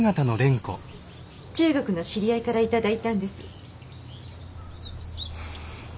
中国の知り合いから頂いたんです。